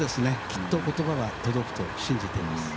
きっとことばは届くと信じてます。